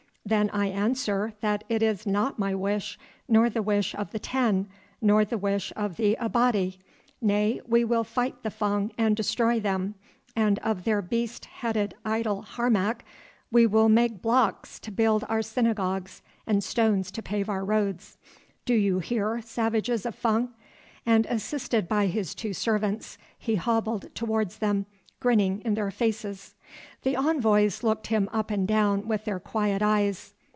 "Then I answer that it is not my wish, nor the wish of the ten, nor the wish of the Abati. Nay, we will fight the Fung and destroy them, and of their beast headed idol Harmac we will make blocks to build our synagogues and stones to pave our roads. Do you hear, savages of Fung?" and assisted by his two servants he hobbled towards them, grinning in their faces. The envoys looked him up and down with their quiet eyes.